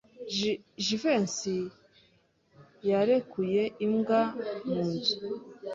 Jivency yarekuye imbwa mu nzu.